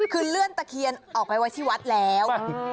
คือเลื่อนตะเคียนออกไปไว้ที่วัดแล้ว